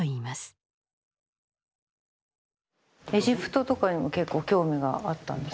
エジプトとかにも結構興味があったんですか？